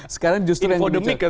sekarang justru yang